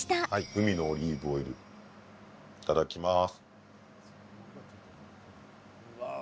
海のオリーブオイルいただきます。